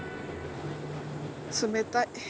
冷たい。